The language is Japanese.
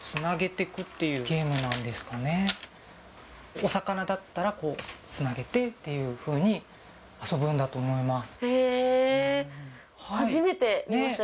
お魚だったらこうつなげてというふうに遊ぶんだと思います。